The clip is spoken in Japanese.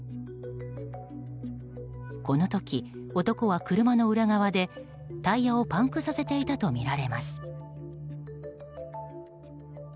この時、男は車の裏側でタイヤをパンクさせていたとみられます。